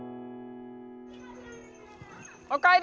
おかえり！